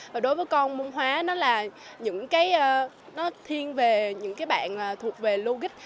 và đối với con môn hóa nó là những cái nó thiên về những cái bạn thuộc về logic